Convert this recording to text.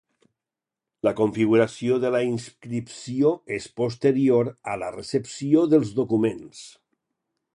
La confirmació de la inscripció és posterior a la recepció dels documents.